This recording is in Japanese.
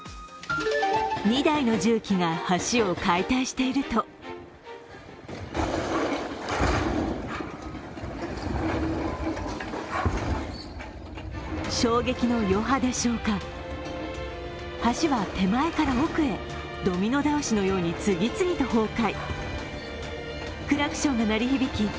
２台の重機が橋を解体していると衝撃の余波でしょうか、橋は手前から奥へドミノ倒しのように次々と崩壊。